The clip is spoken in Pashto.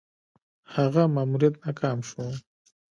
هغه ماموریت ناکام شو.